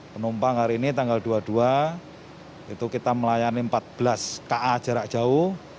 penumpang hari ini tanggal dua puluh dua itu kita melayani empat belas ka jarak jauh